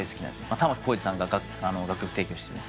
玉置浩二さんが楽曲提供してます。